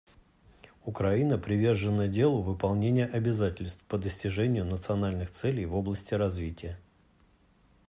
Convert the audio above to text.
Украина привержена делу выполнения обязательств по достижению национальных целей в области развития.